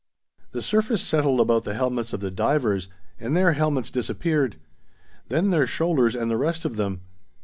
The surface settled about the helmets of the divers, and their helmets disappeared; then their shoulders and the rest of them.